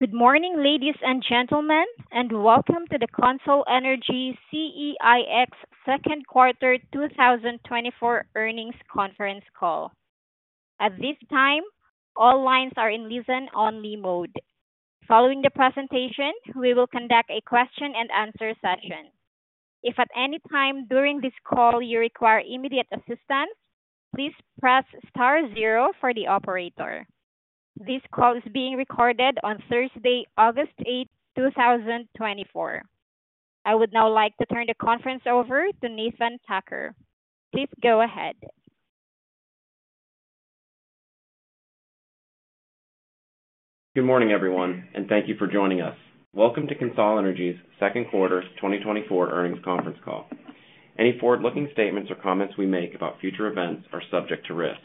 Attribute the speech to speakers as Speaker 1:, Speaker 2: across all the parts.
Speaker 1: Good morning, ladies and gentlemen, and welcome to the CONSOL Energy CEIX Second Quarter 2024 Earnings Conference Call. At this time, all lines are in listen-only mode. Following the presentation, we will conduct a question-and-answer session. If at any time during this call you require immediate assistance, please press star zero for the operator. This call is being recorded on Thursday, August 8, 2024. I would now like to turn the conference over to Nathan Tucker. Please go ahead.
Speaker 2: Good morning, everyone, and thank you for joining us. Welcome to CONSOL Energy's Second-quarter 2024 Earnings Conference Call. Any forward-looking statements or comments we make about future events are subject to risk,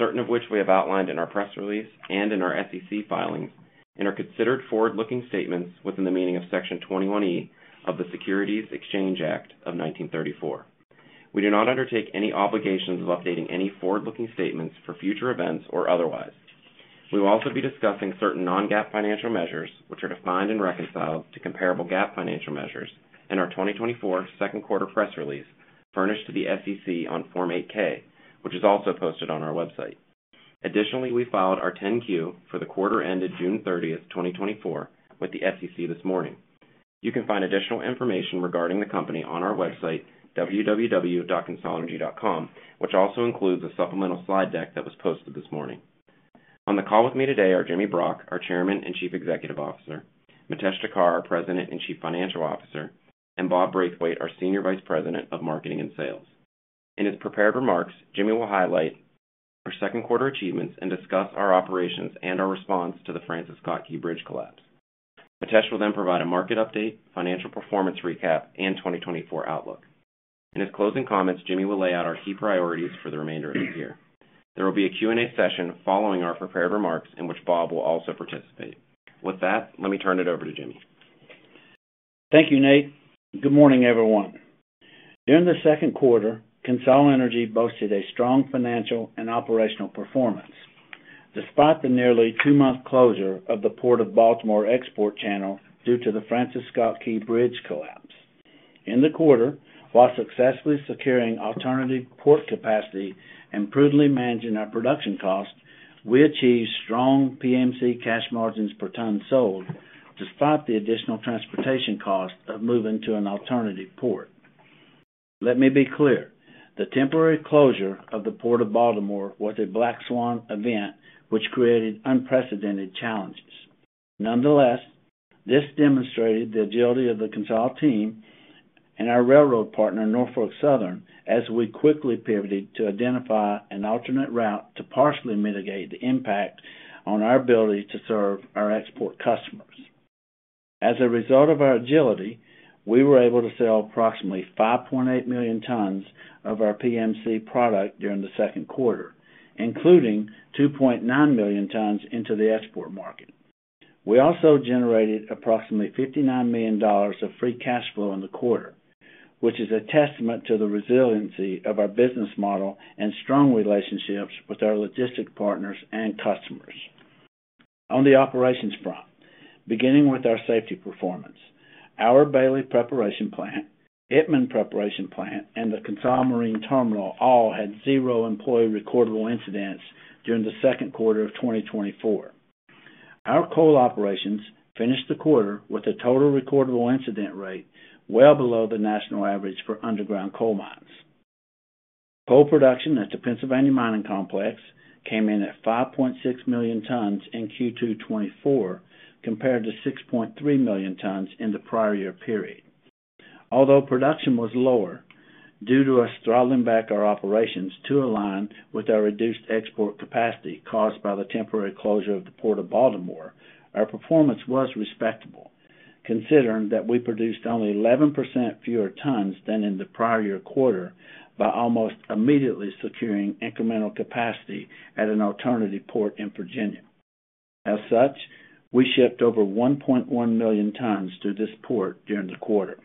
Speaker 2: certain of which we have outlined in our press release and in our SEC filings, and are considered forward-looking statements within the meaning of Section 21E of the Securities Exchange Act of 1934. We do not undertake any obligations of updating any forward-looking statements for future events or otherwise. We will also be discussing certain non-GAAP financial measures, which are defined and reconciled to comparable GAAP financial measures in our 2024 second quarter press release, furnished to the SEC on Form 8-K, which is also posted on our website. Additionally, we filed our 10-Q for the quarter ended June 30, 2024 with the SEC this morning. You can find additional information regarding the company on our website, www.consolenergy.com, which also includes a supplemental slide deck that was posted this morning. On the call with me today are Jimmy Brock, our Chairman and Chief Executive Officer, Mitesh Thakkar, our President and Chief Financial Officer, and Bob Braithwaite, our Senior Vice President of Marketing and Sales. In his prepared remarks, Jimmy will highlight our second quarter achievements and discuss our operations and our response to the Francis Scott Key Bridge collapse. Mitesh will then provide a market update, financial performance recap, and 2024 outlook. In his closing comments, Jimmy will lay out our key priorities for the remainder of the year. There will be a Q&A session following our prepared remarks, in which Bob will also participate. With that, let me turn it over to Jimmy.
Speaker 3: Thank you, Nate. Good morning, everyone. During the second quarter, CONSOL Energy boasted a strong financial and operational performance, despite the nearly two-month closure of the Port of Baltimore export channel due to the Francis Scott Key Bridge collapse. In the quarter, while successfully securing alternative port capacity and prudently managing our production cost, we achieved strong PMC cash margins per ton sold, despite the additional transportation cost of moving to an alternative port. Let me be clear, the temporary closure of the Port of Baltimore was a Black Swan event, which created unprecedented challenges. Nonetheless, this demonstrated the agility of the CONSOL team and our railroad partner, Norfolk Southern, as we quickly pivoted to identify an alternate route to partially mitigate the impact on our ability to serve our export customers. As a result of our agility, we were able to sell approximately 5.8 million tons of our PMC product during the second quarter, including 2.9 million tons into the export market. We also generated approximately $59 million of free cash flow in the quarter, which is a testament to the resiliency of our business model and strong relationships with our logistic partners and customers. On the operations front, beginning with our safety performance, our Bailey Preparation Plant, Itmann Preparation Plant, and the CONSOL Marine Terminal all had zero employee recordable incidents during the second quarter of 2024. Our coal operations finished the quarter with a total recordable incident rate well below the national average for underground coal mines. Coal production at the Pennsylvania Mining Complex came in at 5.6 million tons in Q2 2024, compared to 6.3 million tons in the prior year period. Although production was lower, due to us throttling back our operations to align with our reduced export capacity caused by the temporary closure of the Port of Baltimore, our performance was respectable, considering that we produced only 11% fewer tons than in the prior year quarter, by almost immediately securing incremental capacity at an alternative port in Virginia. As such, we shipped over 1.1 million tons through this port during the quarter.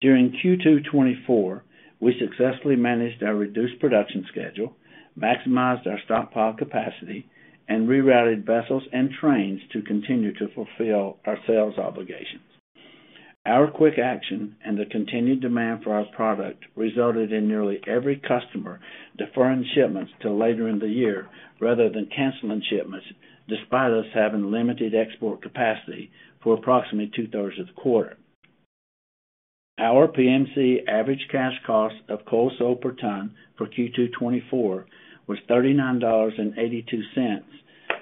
Speaker 3: During Q2 2024, we successfully managed our reduced production schedule, maximized our stockpile capacity, and rerouted vessels and trains to continue to fulfill our sales obligations. Our quick action and the continued demand for our product resulted in nearly every customer deferring shipments to later in the year rather than canceling shipments, despite us having limited export capacity for approximately 2/3s of the quarter. Our PMC average cash cost of coal sold per ton for Q2 2024 was $39.82,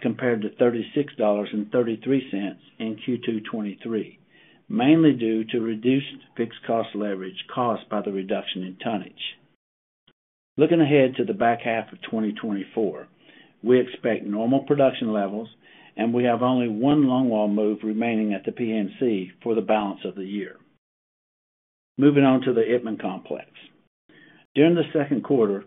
Speaker 3: compared to $36.33 in Q2 2023, mainly due to reduced fixed cost leverage caused by the reduction in tonnage. Looking ahead to the back half of 2024, we expect normal production levels, and we have only one longwall move remaining at the PMC for the balance of the year. Moving on to the Itmann Complex. During the second quarter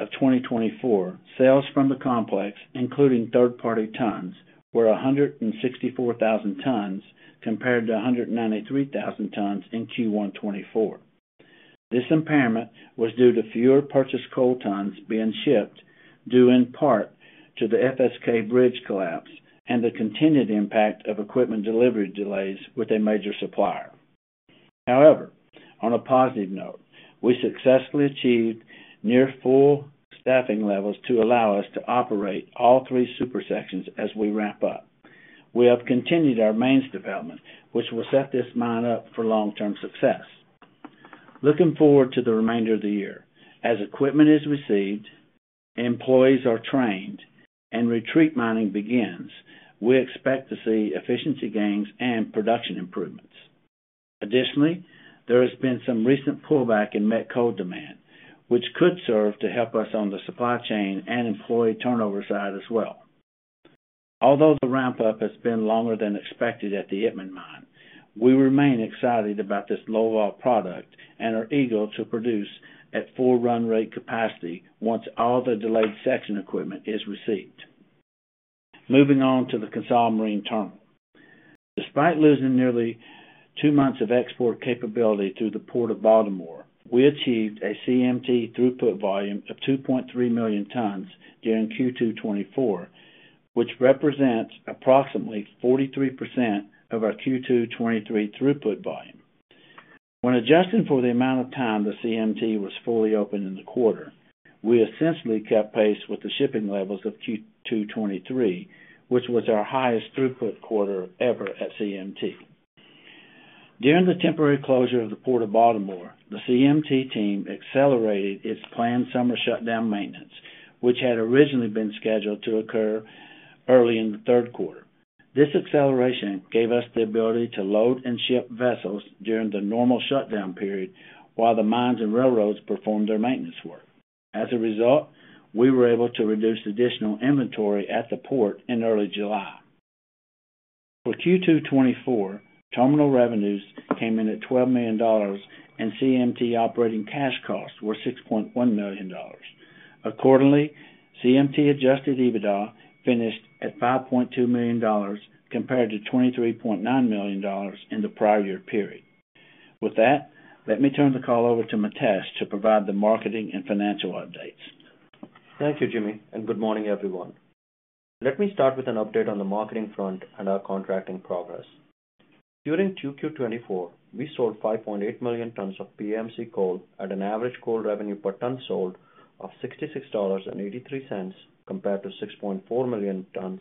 Speaker 3: of 2024, sales from the complex, including third-party tons, were 164,000 tons, compared to 193,000 tons in Q1 2024. This impairment was due to fewer purchased coal tons being shipped, due in part to the FSK bridge collapse and the continued impact of equipment delivery delays with a major supplier. However, on a positive note, we successfully achieved near full staffing levels to allow us to operate all three super sections as we ramp up. We have continued our mains development, which will set this mine up for long-term success. Looking forward to the remainder of the year, as equipment is received, employees are trained, and retreat mining begins, we expect to see efficiency gains and production improvements. Additionally, there has been some recent pullback in met coal demand, which could serve to help us on the supply chain and employee turnover side as well. Although the ramp-up has been longer than expected at the Itmann Mine, we remain excited about this low-vol product and are eager to produce at full run-rate capacity once all the delayed section equipment is received. Moving on to the CONSOL Marine Terminal. Despite losing nearly two months of export capability through the Port of Baltimore, we achieved a CMT throughput volume of 2.3 million tons during Q2 2024, which represents approximately 43% of our Q2 2023 throughput volume. When adjusting for the amount of time the CMT was fully open in the quarter, we essentially kept pace with the shipping levels of Q2 2023, which was our highest throughput quarter ever at CMT. During the temporary closure of the Port of Baltimore, the CMT team accelerated its planned summer shutdown maintenance, which had originally been scheduled to occur early in the third quarter. This acceleration gave us the ability to load and ship vessels during the normal shutdown period, while the mines and railroads performed their maintenance work. As a result, we were able to reduce additional inventory at the port in early July. For Q2 2024, terminal revenues came in at $12 million, and CMT operating cash costs were $6.1 million. Accordingly, CMT adjusted EBITDA finished at $5.2 million, compared to $23.9 million in the prior year period. With that, let me turn the call over to Mitesh to provide the marketing and financial updates.
Speaker 4: Thank you, Jimmy, and good morning, everyone. Let me start with an update on the marketing front and our contracting progress. During Q2 2024, we sold 5.8 million tons of PMC coal at an average coal revenue per ton sold of $66.83, compared to 6.4 million tons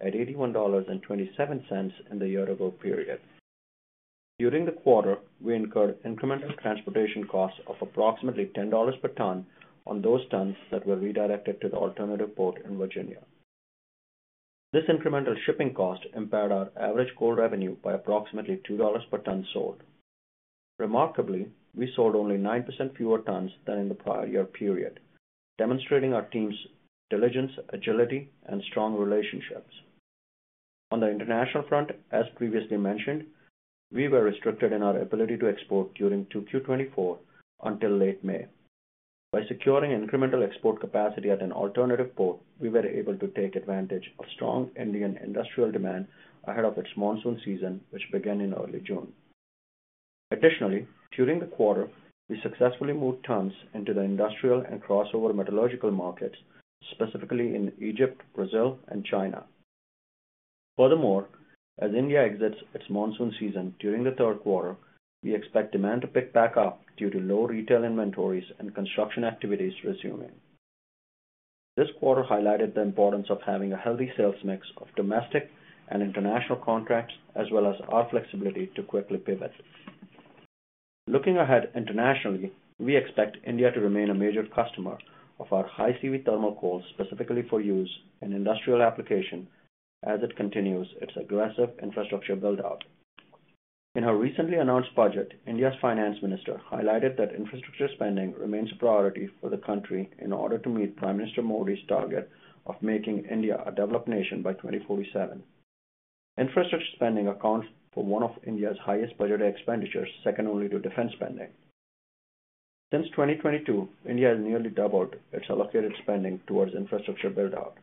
Speaker 4: at $81.27 in the year-ago period. During the quarter, we incurred incremental transportation costs of approximately $10 per ton on those tons that were redirected to the alternative port in Virginia. This incremental shipping cost impaired our average coal revenue by approximately $2 per ton sold. Remarkably, we sold only 9% fewer tons than in the prior year period, demonstrating our team's diligence, agility, and strong relationships. On the international front, as previously mentioned, we were restricted in our ability to export during Q2 2024 until late May. By securing incremental export capacity at an alternative port, we were able to take advantage of strong Indian industrial demand ahead of its monsoon season, which began in early June. Additionally, during the quarter, we successfully moved tons into the industrial and crossover metallurgical markets, specifically in Egypt, Brazil, and China. Furthermore, as India exits its monsoon season during the third quarter, we expect demand to pick back up due to low retail inventories and construction activities resuming. This quarter highlighted the importance of having a healthy sales mix of domestic and international contracts, as well as our flexibility to quickly pivot. Looking ahead internationally, we expect India to remain a major customer of our high CV thermal coal, specifically for use in industrial application as it continues its aggressive infrastructure build-out. In a recently announced budget, India's Finance Minister highlighted that infrastructure spending remains a priority for the country in order to meet Prime Minister Modi's target of making India a developed nation by 2047. Infrastructure spending accounts for one of India's highest budgeted expenditures, second only to defense spending. Since 2022, India has nearly doubled its allocated spending towards infrastructure build-out.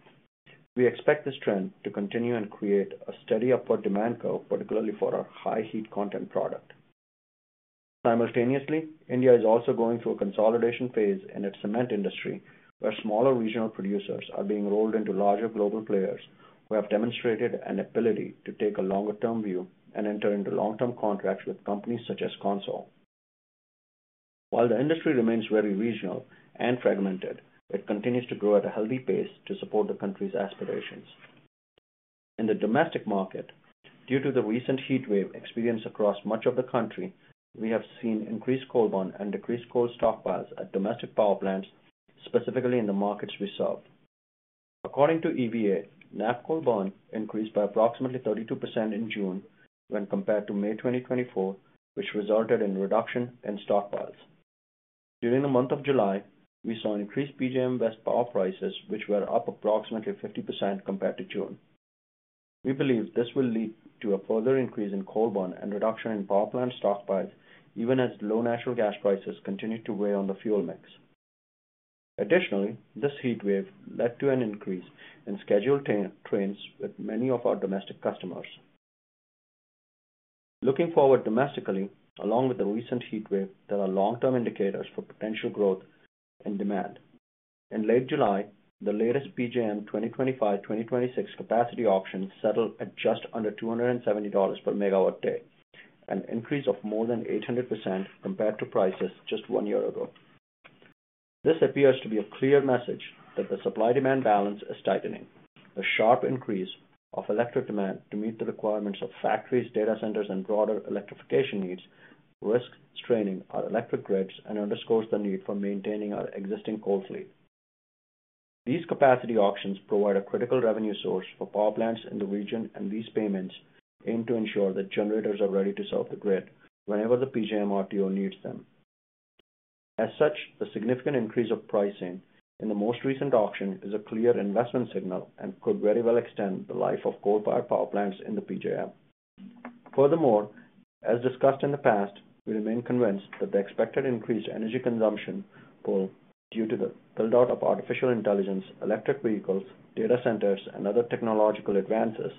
Speaker 4: We expect this trend to continue and create a steady upward demand curve, particularly for our high heat content product. Simultaneously, India is also going through a consolidation phase in its cement industry, where smaller regional producers are being rolled into larger global players, who have demonstrated an ability to take a longer-term view and enter into long-term contracts with companies such as CONSOL. While the industry remains very regional and fragmented, it continues to grow at a healthy pace to support the country's aspirations. In the domestic market, due to the recent heat wave experienced across much of the country, we have seen increased coal burn and decreased coal stockpiles at domestic power plants, specifically in the markets we serve. According to EVA, NAPP coal burn increased by approximately 32% in June when compared to May 2024, which resulted in reduction in stockpiles. During the month of July, we saw increased PJM West power prices, which were up approximately 50% compared to June. We believe this will lead to a further increase in coal burn and reduction in power plant stockpiles, even as low natural gas prices continue to weigh on the fuel mix. Additionally, this heat wave led to an increase in scheduled trains with many of our domestic customers. Looking forward domestically, along with the recent heat wave, there are long-term indicators for potential growth and demand. In late July, the latest PJM 2025-2026 capacity auction settled at just under $270 per MW-day, an increase of more than 800% compared to prices just one year ago. This appears to be a clear message that the supply-demand balance is tightening. A sharp increase of electric demand to meet the requirements of factories, data centers, and broader electrification needs risks straining our electric grids and underscores the need for maintaining our existing coal fleet. These capacity auctions provide a critical revenue source for power plants in the region, and these payments aim to ensure that generators are ready to serve the grid whenever the PJM RTO needs them. As such, the significant increase of pricing in the most recent auction is a clear investment signal and could very well extend the life of coal-powered power plants in the PJM. Furthermore, as discussed in the past, we remain convinced that the expected increased energy consumption pull due to the build-out of artificial intelligence, electric vehicles, data centers, and other technological advances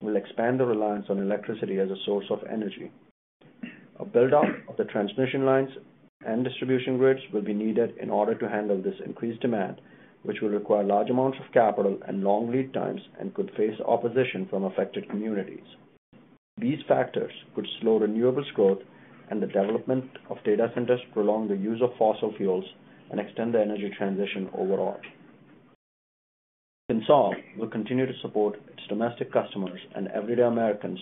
Speaker 4: will expand the reliance on electricity as a source of energy. A build-out of the transmission lines and distribution grids will be needed in order to handle this increased demand, which will require large amounts of capital and long lead times and could face opposition from affected communities. These factors could slow renewable growth and the development of data centers, prolong the use of fossil fuels, and extend the energy transition overall. CONSOL will continue to support its domestic customers and everyday Americans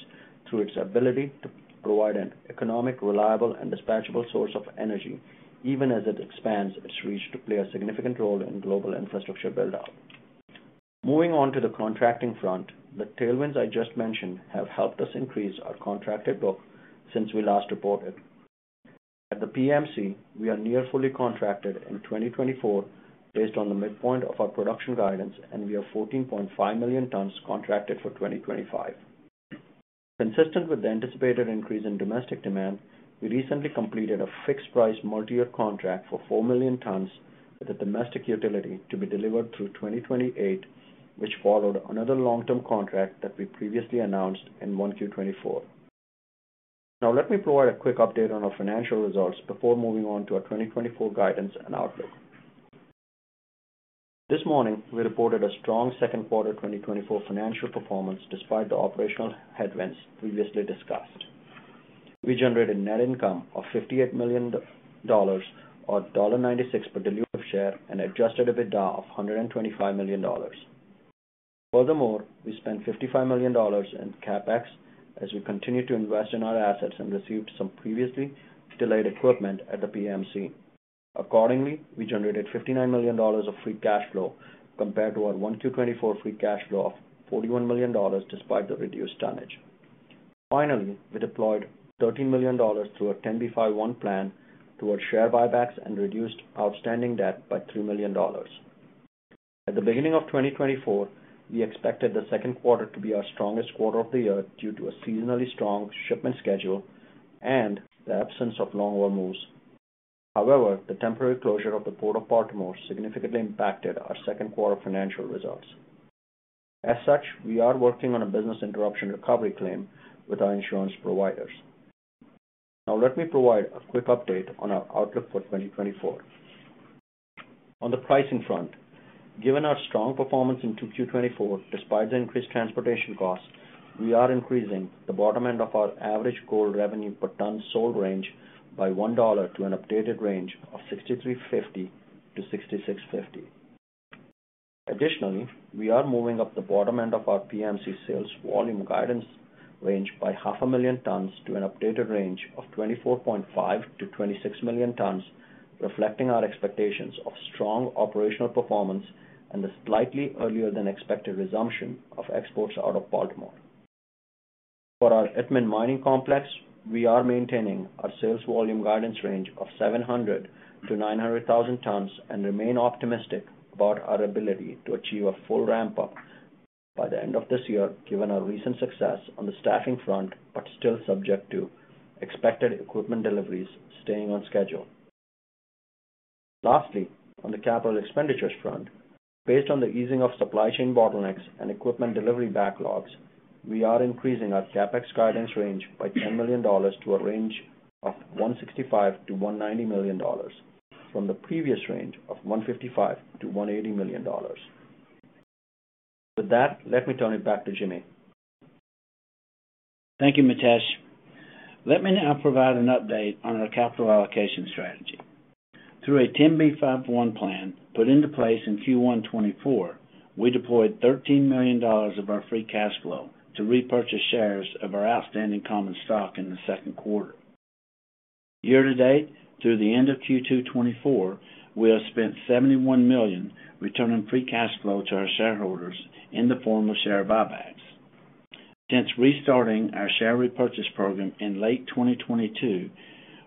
Speaker 4: through its ability to provide an economic, reliable, and dispatchable source of energy, even as it expands its reach to play a significant role in global infrastructure build-out. Moving on to the contracting front, the tailwinds I just mentioned have helped us increase our contracted book since we last reported. At the PMC, we are near fully contracted in 2024 based on the midpoint of our production guidance, and we have 14.5 million tons contracted for 2025. Consistent with the anticipated increase in domestic demand, we recently completed a fixed-price multiyear contract for 4 million tons with a domestic utility to be delivered through 2028, which followed another long-term contract that we previously announced in 1Q 2024. Now, let me provide a quick update on our financial results before moving on to our 2024 guidance and outlook. This morning, we reported a strong second quarter 2024 financial performance despite the operational headwinds previously discussed. We generated net income of $58 million, or $0.96 per diluted share, and adjusted EBITDA of $125 million. Furthermore, we spent $55 million in CapEx as we continued to invest in our assets and received some previously delayed equipment at the PMC. Accordingly, we generated $59 million of free cash flow compared to our 1Q 2024 free cash flow of $41 million, despite the reduced tonnage. Finally, we deployed $13 million through our 10b5-1 plan towards share buybacks and reduced outstanding debt by $3 million. At the beginning of 2024, we expected the second quarter to be our strongest quarter of the year due to a seasonally strong shipment schedule and the absence of longwall moves. However, the temporary closure of the Port of Baltimore significantly impacted our second-quarter financial results. As such, we are working on a business interruption recovery claim with our insurance providers. Now let me provide a quick update on our outlook for 2024. On the pricing front, given our strong performance in 2Q 2024, despite the increased transportation costs, we are increasing the bottom end of our average coal revenue per ton sold range by $1, to an updated range of $63.50-$66.50. Additionally, we are moving up the bottom end of our PMC sales volume guidance range by 500,000 tons to an updated range of 24.5 million-26 million tons, reflecting our expectations of strong operational performance and the slightly earlier than expected resumption of exports out of Baltimore. For our Itmann Mining Complex, we are maintaining our sales volume guidance range of 700,000-900,000 tons and remain optimistic about our ability to achieve a full ramp-up by the end of this year, given our recent success on the staffing front, but still subject to expected equipment deliveries staying on schedule. Lastly, on the capital expenditures front, based on the easing of supply chain bottlenecks and equipment delivery backlogs, we are increasing our CapEx guidance range by $10 million to a range of $165 million-$190 million, from the previous range of $155 million-$180 million. With that, let me turn it back to Jimmy.
Speaker 3: Thank you, Mitesh. Let me now provide an update on our capital allocation strategy. Through a 10b5-1 plan put into place in Q1 2024, we deployed $13 million of our free cash flow to repurchase shares of our outstanding common stock in the second quarter. Year-to-date, through the end of Q2 2024, we have spent $71 million, returning free cash flow to our shareholders in the form of share buybacks. Since restarting our share repurchase program in late 2022,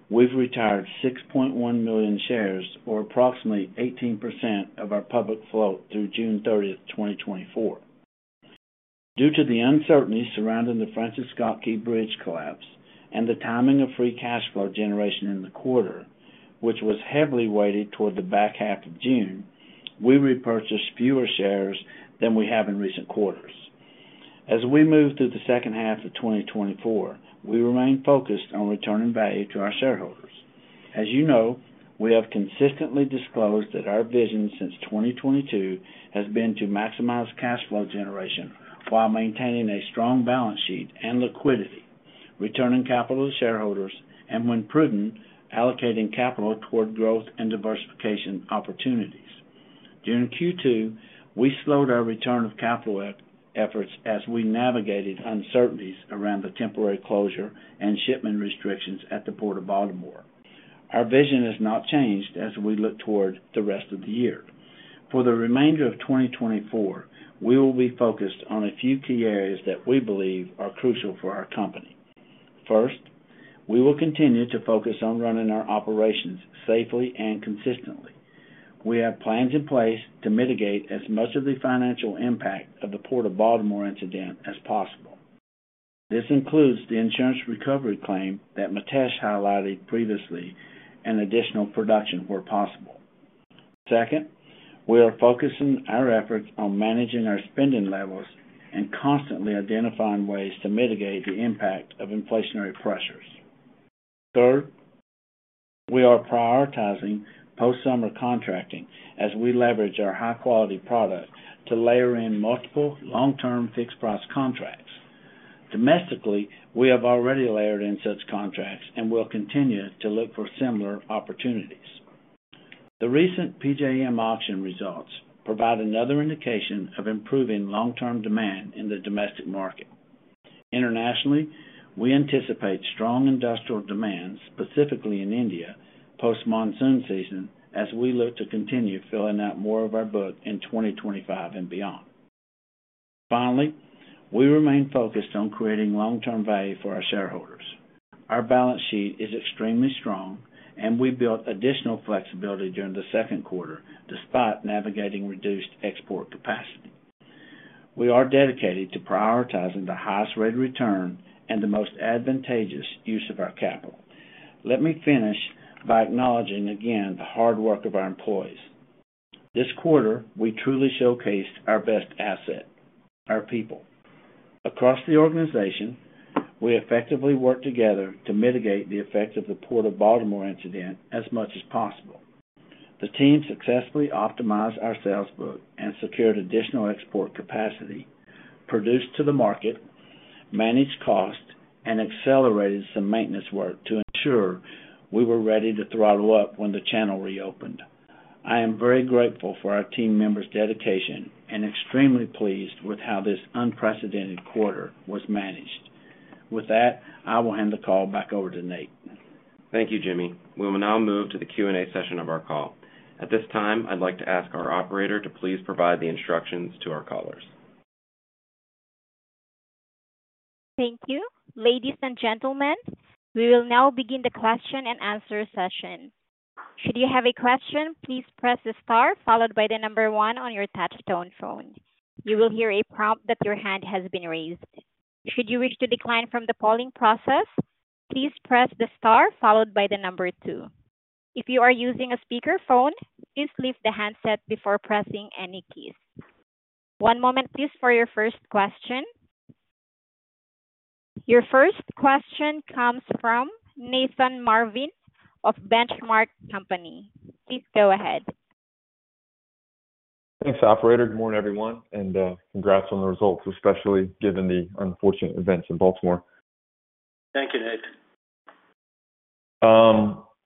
Speaker 3: we've retired 6.1 million shares, or approximately 18% of our public float, through June 30, 2024. Due to the uncertainty surrounding the Francis Scott Key Bridge collapse and the timing of free cash flow generation in the quarter, which was heavily weighted toward the back half of June, we repurchased fewer shares than we have in recent quarters. As we move through the second half of 2024, we remain focused on returning value to our shareholders. As you know, we have consistently disclosed that our vision since 2022 has been to maximize cash flow generation while maintaining a strong balance sheet and liquidity, returning capital to shareholders, and, when prudent, allocating capital toward growth and diversification opportunities. During Q2, we slowed our return of capital efforts as we navigated uncertainties around the temporary closure and shipment restrictions at the Port of Baltimore. Our vision has not changed as we look toward the rest of the year. For the remainder of 2024, we will be focused on a few key areas that we believe are crucial for our company. First, we will continue to focus on running our operations safely and consistently. We have plans in place to mitigate as much of the financial impact of the Port of Baltimore incident as possible. This includes the insurance recovery claim that Mitesh highlighted previously, and additional production where possible. Second, we are focusing our efforts on managing our spending levels and constantly identifying ways to mitigate the impact of inflationary pressures. Third, we are prioritizing post-summer contracting as we leverage our high-quality product to layer in multiple long-term fixed-price contracts. Domestically, we have already layered in such contracts and will continue to look for similar opportunities. The recent PJM auction results provide another indication of improving long-term demand in the domestic market. Internationally, we anticipate strong industrial demand, specifically in India, post-monsoon season, as we look to continue filling out more of our book in 2025 and beyond. Finally, we remain focused on creating long-term value for our shareholders. Our balance sheet is extremely strong, and we built additional flexibility during the second quarter, despite navigating reduced export capacity. We are dedicated to prioritizing the highest rate of return and the most advantageous use of our capital. Let me finish by acknowledging again the hard work of our employees. This quarter, we truly showcased our best asset, our people. Across the organization, we effectively worked together to mitigate the effects of the Port of Baltimore incident as much as possible. The team successfully optimized our sales book and secured additional export capacity, produced to the market, managed cost, and accelerated some maintenance work to ensure we were ready to throttle up when the channel reopened. I am very grateful for our team members' dedication and extremely pleased with how this unprecedented quarter was managed. With that, I will hand the call back over to Nate.
Speaker 2: Thank you, Jimmy. We will now move to the Q&A session of our call. At this time, I'd like to ask our operator to please provide the instructions to our callers.
Speaker 1: Thank you. Ladies and gentlemen, we will now begin the question-and-answer session. Should you have a question, please press the star followed by the number one on your touchtone phone. You will hear a prompt that your hand has been raised. Should you wish to decline from the polling process, please press the star followed by the number two. If you are using a speakerphone, please leave the handset before pressing any keys. One moment, please, for your first question. Your first question comes from Nathan Martin of Benchmark Company. Please go ahead.
Speaker 5: Thanks, operator. Good morning, everyone, and, congrats on the results, especially given the unfortunate events in Baltimore.
Speaker 3: Thank you, Nate.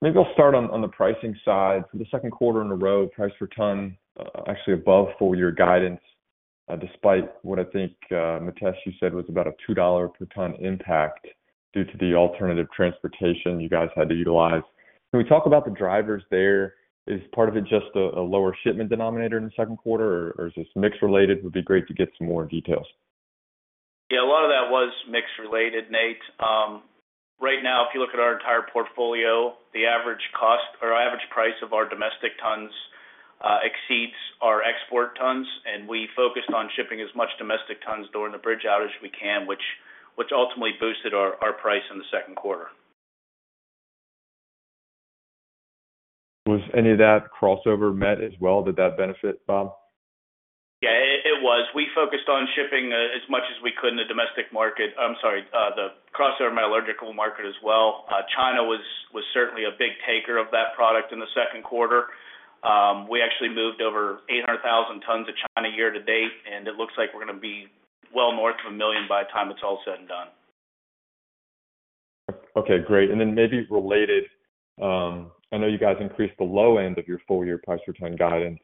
Speaker 5: Maybe I'll start on the pricing side. For the second quarter in a row, price per ton actually above full year guidance, despite what I think Mitesh, you said was about a $2 per ton impact due to the alternative transportation you guys had to utilize. Can we talk about the drivers there? Is part of it just a lower shipment denominator in the second quarter, or is this mix-related? Would be great to get some more details.
Speaker 3: Yeah, a lot of that was mix-related, Nate. Right now, if you look at our entire portfolio, the average cost or average price of our domestic tons exceeds our export tons, and we focused on shipping as much domestic tons during the bridge out as we can, which ultimately boosted our price in the second quarter.
Speaker 5: Was any of that crossover met as well? Did that benefit, Bob?
Speaker 3: Yeah, it was. We focused on shipping as much as we could in the domestic market—I'm sorry, the crossover metallurgical market as well. China was certainly a big taker of that product in the second quarter. We actually moved over 800,000 tons to China year to date, and it looks like we're going to be well north of 1 million by the time it's all said and done.
Speaker 5: Okay, great. And then maybe related, I know you guys increased the low end of your full year price per ton guidance,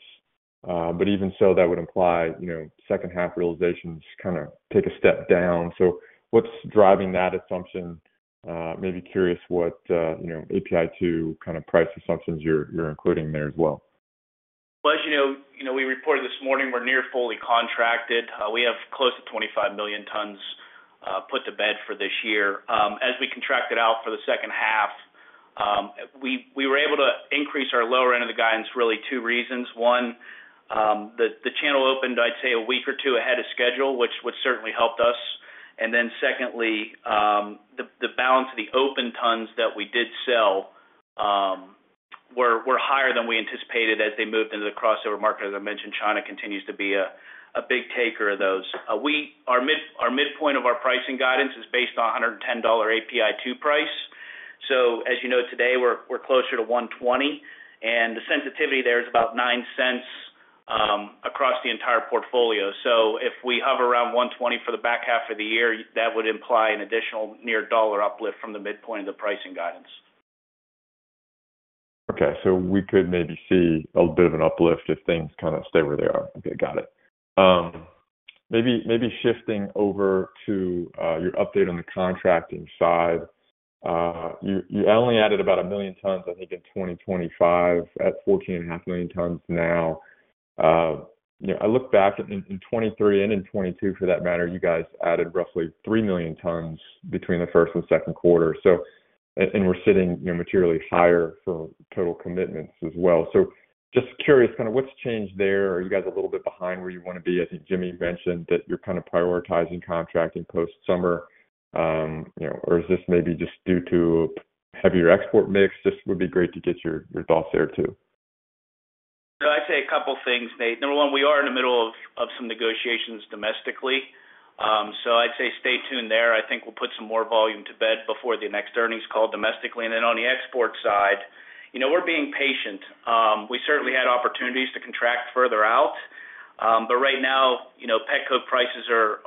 Speaker 5: but even so, that would imply, you know, second half realizations kind of take a step down. So what's driving that assumption? Maybe curious what API2 kind of price assumptions you're including there as well.
Speaker 3: Well, as you know, you know, we reported this morning, we're near fully contracted. We have close to 25 million tons put to bed for this year. As we contracted out for the second half, we were able to increase our lower end of the guidance, really two reasons. One, the channel opened, I'd say, a week or two ahead of schedule, which certainly helped us.
Speaker 6: And then secondly, the balance of the open tons that we did sell were higher than we anticipated as they moved into the crossover market. As I mentioned, China continues to be a big taker of those. Our midpoint of our pricing guidance is based on a $110 API2 price. So as you know, today, we're closer to $120, and the sensitivity there is about $0.09 across the entire portfolio. So if we have around $120 for the back half of the year, that would imply an additional near $1 uplift from the midpoint of the pricing guidance.
Speaker 5: Okay, so we could maybe see a bit of an uplift if things kind of stay where they are. Okay, got it. Maybe, maybe shifting over to your update on the contracting side. You, only added about 1 million tons, I think, in 2025, at 14.5 million tons now. You know, I look back in, in 2023 and in 2022, for that matter, you guys added roughly 3 million tons between the first and second quarter. So, and we're sitting, materially higher for total commitments as well. So just curious, kind of what's changed there? Are you guys a little bit behind where you want to be? I think Jimmy mentioned that you're kind of prioritizing contracting post-summer, you know, or is this maybe just due to heavier export mix? This would be great to get your thoughts there, too.
Speaker 6: So I'd say a couple of things, Nate. Number one, we are in the middle of some negotiations domestically. So I'd say stay tuned there. I think we'll put some more volume to bed before the next earnings call domestically. And then on the export side, you know, we're being patient. We certainly had opportunities to contract further out, but right now, you know, Pet Coke prices are,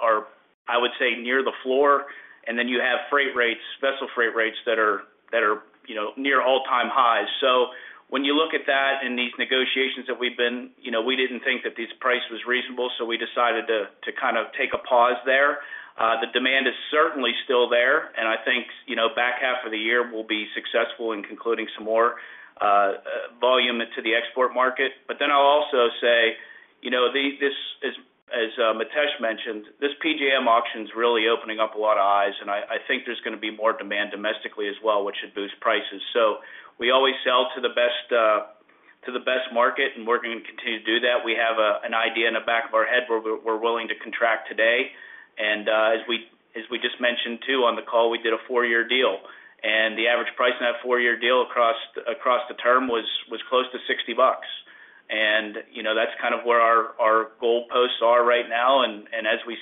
Speaker 6: I would say, near the floor, and then you have freight rates, vessel freight rates that are, near all-time highs. So when you look at that in these negotiations that we've been--you know, we didn't think that this price was reasonable, so we decided to kind of take a pause there. The demand is certainly still there, and I think, you know, back half of the year, we'll be successful in concluding some more volume into the export market. But then I'll also say, you know, as Mitesh mentioned, this PJM auction is really opening up a lot of eyes, and I think there's going to be more demand domestically as well, which should boost prices. So we always sell to the best market, and we're going to continue to do that. We have an idea in the back of our head where we're willing to contract today. And as we just mentioned, too, on the call, we did a 4-year deal, and the average price in that 4-year deal across the term was close to $60. You know, that's kind of where our goalposts are right now. And as we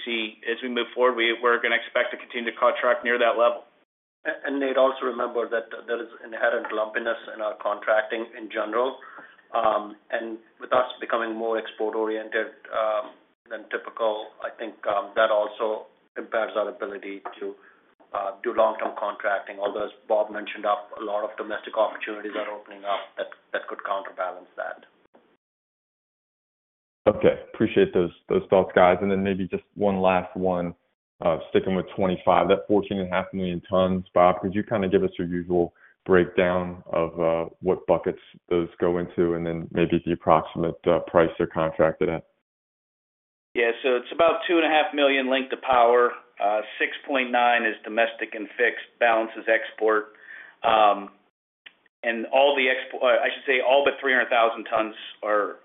Speaker 6: move forward, we're going to expect to continue to contract near that level.
Speaker 4: Nate, also remember that there is an inherent lumpiness in our contracting in general. And with us becoming more export-oriented than typical, I think that also impacts our ability to do long-term contracting. Although, as Bob mentioned, a lot of domestic opportunities are opening up that could counterbalance that.
Speaker 5: Okay, appreciate those, those thoughts, guys. And then maybe just one last one, sticking with 25, that 14.5 million tons. Bob, could you kind of give us your usual breakdown of what buckets those go into, and then maybe the approximate price they're contracted at?
Speaker 6: Yeah, so it's about $2.5 million linked to power. 6.9 is domestic and fixed, balance is export. And all the export—I should say all but 300,000 tons are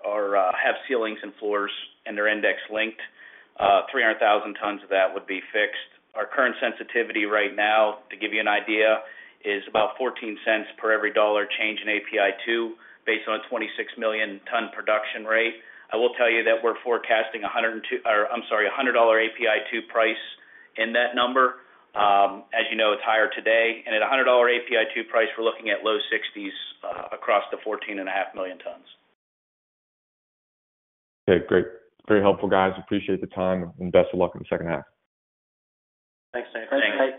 Speaker 6: have ceilings and floors, and they're index-linked. 300,000 tons of that would be fixed. Our current sensitivity right now, to give you an idea, is about 14 cents per every $1 change in API2, based on a 26 million ton production rate. I will tell you that we're forecasting a $100 API2 price in that number. As you know, it's higher today, and at a $100 API2 price, we're looking at low 60s, across the 14.5 million tons.
Speaker 5: Okay, great. Very helpful, guys. Appreciate the time, and best of luck in the second half.
Speaker 6: Thanks, Nate.
Speaker 4: Thanks.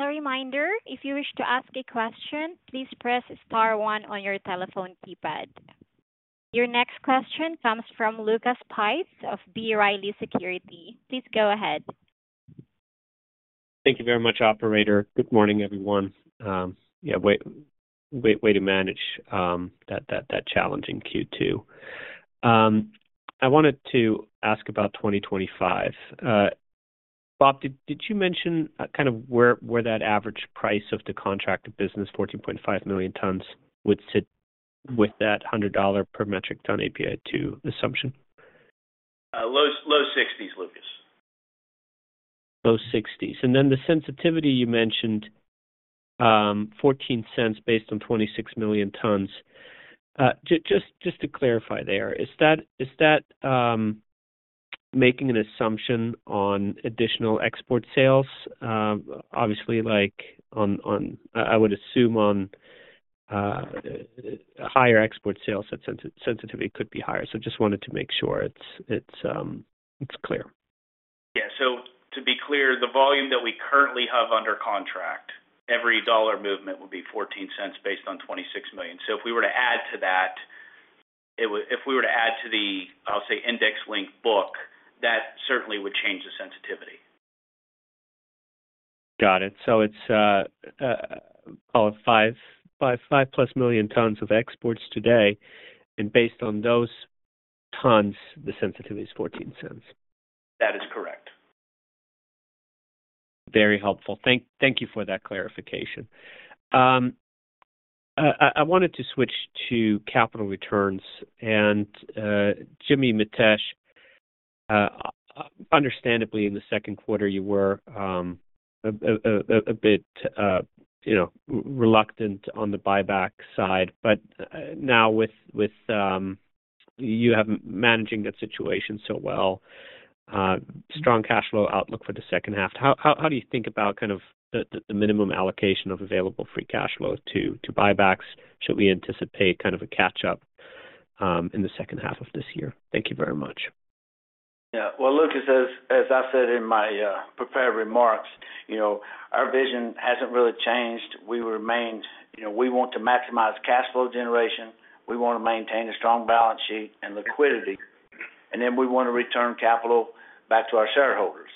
Speaker 1: A reminder, if you wish to ask a question, please press star one on your telephone keypad. Your next question comes from Lucas Pipes of B. Riley Securities. Please go ahead.
Speaker 7: Thank you very much, operator. Good morning, everyone. Yeah, way to manage that challenging Q2. I wanted to ask about 2025. Bob, did you mention kind of where that average price of the contracted business, 14.5 million tons, would sit with that $100 per metric ton API2 assumption?
Speaker 6: Low, 60s, Lucas.
Speaker 7: Low 60s. Then the sensitivity you mentioned, $0.14 based on 26 million tons. Just to clarify there, is that making an assumption on additional export sales? Obviously, like on, I would assume on, higher export sales, that sensitivity could be higher. So just wanted to make sure it's clear.
Speaker 6: Yeah. So to be clear, the volume that we currently have under contract, every $1 movement would be $0.14 based on 26 million. So if we were to add to the, I'll say, index link book, that certainly would change the sensitivity.
Speaker 7: Got it. So it's call it 5.5, 5+ million tons of exports today, and based on those tons, the sensitivity is $0.14.
Speaker 6: That is correct.
Speaker 7: Very helpful. Thank you for that clarification. I wanted to switch to capital returns, and Jimmy, Mitesh, understandably, in the second quarter, you were a bit reluctant on the buyback side, but now with you have managing that situation so well, strong cash flow outlook for the second half. How do you think about kind of the minimum allocation of available free cash flow to buybacks? Should we anticipate kind of a catch-up in the second half of this year? Thank you very much.
Speaker 3: Yeah. Well, Lucas, as I said in my prepared remarks, you know, our vision hasn't really changed. We remain— you know, we want to maximize cash flow generation, we want to maintain a strong balance sheet and liquidity, and then we want to return capital back to our shareholders.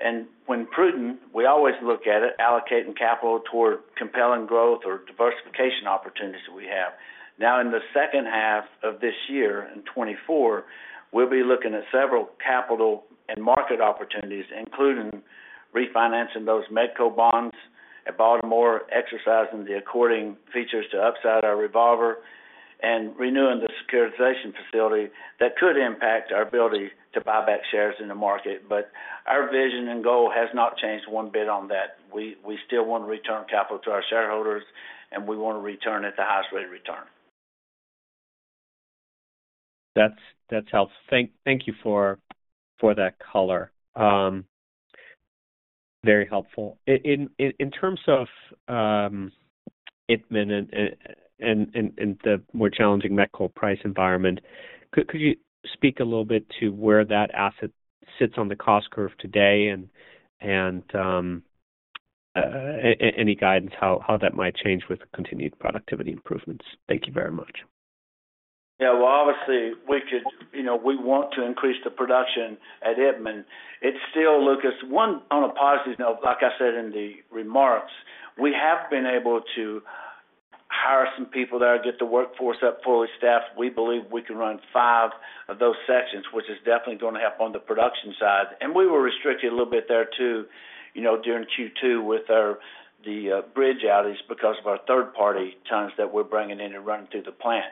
Speaker 3: And when prudent, we always look at it, allocating capital toward compelling growth or diversification opportunities that we have. Now, in the second half of this year, in 2024, we'll be looking at several capital and market opportunities, including refinancing those MEDCO bonds at Baltimore, exercising the accordion features to upsize our revolver, and renewing the securitization facility that could impact our ability to buy back shares in the market. But our vision and goal has not changed one bit on that. We still want to return capital to our shareholders, and we want to return at the highest rate of return. That's helpful. Thank you for that color. Very helpful. In terms of Itmann and the more challenging met coal price environment, could you speak a little bit to where that asset sits on the cost curve today and any guidance how that might change with continued productivity improvements? Thank you very much. Yeah, well, obviously, we could--you know, we want to increase the production at Itmann. It's still, Lucas, one on a positive note, like I said in the remarks, we have been able to hire some people there, get the workforce up fully staffed. We believe we can run 5 of those sections, which is definitely going to help on the production side. And we were restricted a little bit there, too, you know, during Q2 with our, the bridge outings because of our third-party tons that we're bringing in and running through the plant.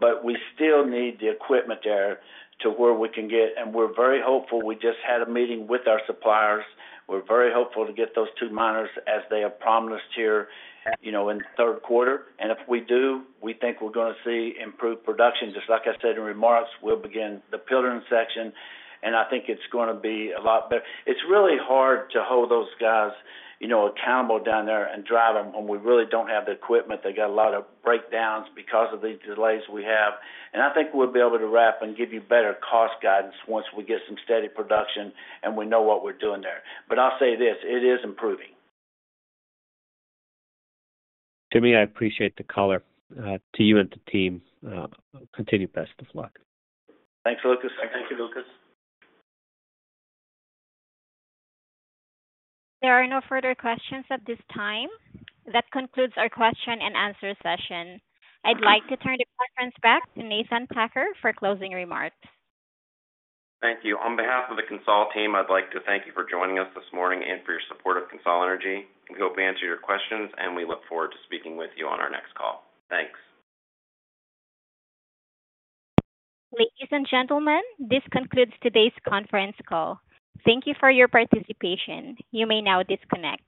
Speaker 3: But we still need the equipment there to where we can get. And we're very hopeful. We just had a meeting with our suppliers. We're very hopeful to get those 2 miners as they have promised here, in the third quarter. And if we do, we think we're gonna see improved production. Just like I said in remarks, we'll begin the pillaring section, and I think it's gonna be a lot better. It's really hard to hold those guys, accountable down there and drive them when we really don't have the equipment. They got a lot of breakdowns because of these delays we have, and I think we'll be able to wrap and give you better cost guidance once we get some steady production and we know what we're doing there. But I'll say this, it is improving.
Speaker 7: Jimmy, I appreciate the color. To you and the team, continued best of luck.
Speaker 3: Thanks, Lucas.
Speaker 7: Thank you, Lucas.
Speaker 1: There are no further questions at this time. That concludes our question-and-answer session. I'd like to turn the conference back to Nathan Tucker for closing remarks.
Speaker 2: Thank you. On behalf of the CONSOL team, I'd like to thank you for joining us this morning and for your support of CONSOL Energy. We hope we answered your questions, and we look forward to speaking with you on our next call. Thanks.
Speaker 1: Ladies and gentlemen, this concludes today's conference call. Thank you for your participation. You may now disconnect.